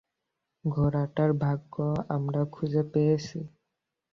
ঘোড়াটার ভাগ্য আমরা খুঁজে পেয়েছি।